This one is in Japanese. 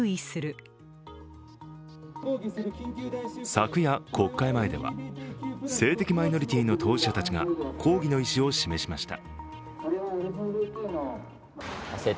昨夜、国会前では性的マイノリティの当事者たちが抗議の意思を示しました。